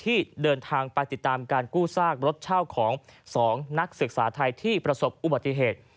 ที่เดินทางไปติดตามการกู้ซากรถเช่าของ๒นักศึกษาไทยที่ประสบอุบัติเหตุ